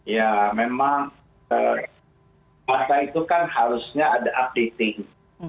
ya memang masa itu kan harusnya ada updating